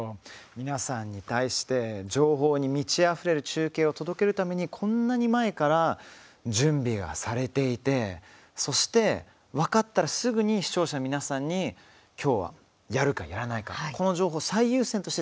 皆さんに対して情報に満ちあふれる中継を届けるためにこんなに前から準備がされていてそして、分かったらすぐに視聴者の皆さんに今日はやるか、やらないかこの情報を最優先として伝える。